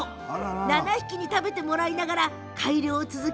７匹に食べてもらいながら改良を続け